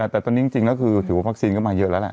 แต่ตอนนี้จริงแล้วคือถือว่าวัคซีนก็มาเยอะแล้วแหละ